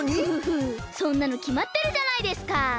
フフフそんなのきまってるじゃないですか！